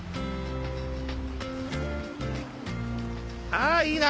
あいいな！